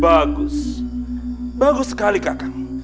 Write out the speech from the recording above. bagus bagus sekali kakang